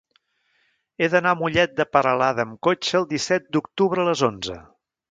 He d'anar a Mollet de Peralada amb cotxe el disset d'octubre a les onze.